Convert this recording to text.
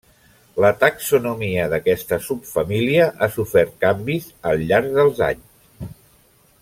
La taxonomia d'aquesta subfamília ha sofert canvis al llarg dels anys.